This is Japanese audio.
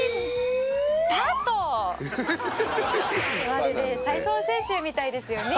「まるで体操選手みたいですよね」